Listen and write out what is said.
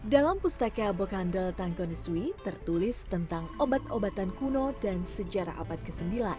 dalam pustaka bokandel tangkoniswi tertulis tentang obat obatan kuno dan sejarah abad ke sembilan